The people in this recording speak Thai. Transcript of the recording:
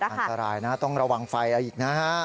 อันตรายนะต้องระวังไฟอะไรอีกนะฮะ